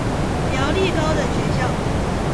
苗栗高等学校